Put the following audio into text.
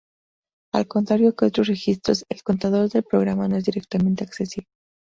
Al contrario que otros registros, el contador de programa no es directamente accesible.